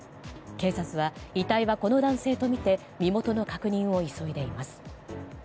警察は遺体はこの男性とみて身元の確認を急いでいます。